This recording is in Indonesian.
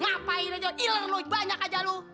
ngapain aja iler lu banyak aja lu